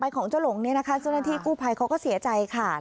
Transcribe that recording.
ต่อไปของเจ้าหลงนี้นะคะส่วนหน้าที่กู้ภัยเขาก็เสียใจค่ะ